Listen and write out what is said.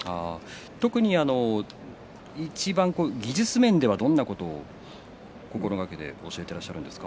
特にいちばん技術面ではどのようなことを心がけて教えていらっしゃるんですか。